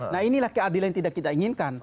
nah inilah keadilan yang tidak kita inginkan